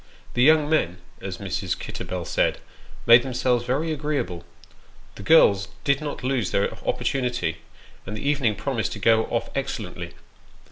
" The young men," as Mrs. Kitterbell said, " made themselves very agreeable ;" the girls did not lose their opportunity ; and the evening promised to go off excellently.